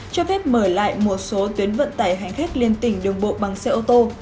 cho phép mở lại một số tuyến vận tải hành khách liên tỉnh đường bộ bằng xe ô tô